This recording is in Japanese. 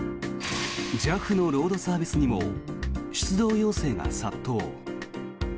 ＪＡＦのロードサービスにも出動要請が殺到。